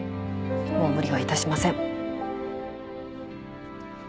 もう無理はいたしません。